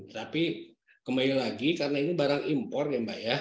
tapi kembali lagi karena ini barang impor ya mbak ya